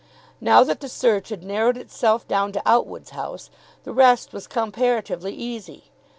Now that the search had narrowed itself down to Outwood's house, the rest was comparatively easy.